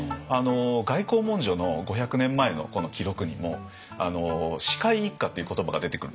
外交文書の５００年前の記録にも「四海一家」っていう言葉が出てくるんです。